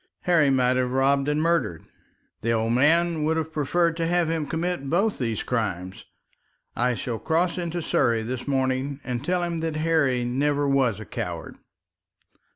Harry might have robbed and murdered. The old man would have preferred him to have committed both these crimes. I shall cross into Surrey this morning and tell him that Harry never was a coward."